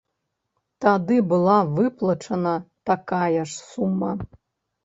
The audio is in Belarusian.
Тады была выплачана такая ж сума.